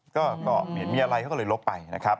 ก็เห็นมีอะไรเขาก็เลยลบไปนะครับ